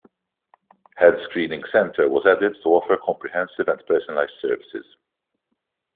Health screening centre was added to offer comprehensive and personalized services.